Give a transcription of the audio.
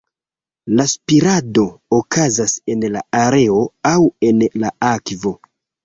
La spirado okazas en la aero aŭ en la akvo.